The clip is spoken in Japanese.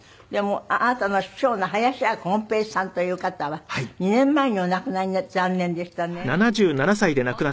あなたの師匠の林家こん平さんという方は２年前にお亡くなりに残念でしたね。